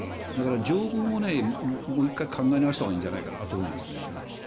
条文をもう一回考え直したほうがいいんじゃないかなと思いますね。